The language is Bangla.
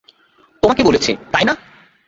তোমাকে বলেছি, তাই না?